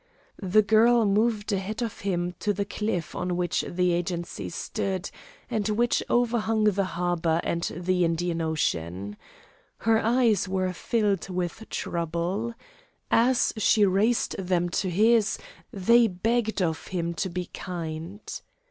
The girl moved ahead of him to the cliff on which the agency stood, and which overhung the harbor and the Indian Ocean. Her eyes were filled with trouble. As she raised them to his they begged of him to be kind.